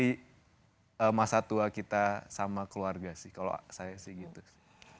di masa tua kita sama keluarga sih kalau saya sih gitu sih